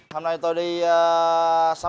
hôm nay tôi đi sắm